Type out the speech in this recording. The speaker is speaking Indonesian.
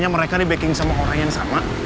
mereka dibacking sama orang yang sama